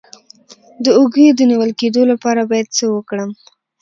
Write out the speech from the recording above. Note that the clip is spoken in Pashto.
د اوږې د نیول کیدو لپاره باید څه وکړم؟